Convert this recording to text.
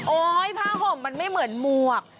โอ้ยผ้าโขมมันไม่เหมือนมวก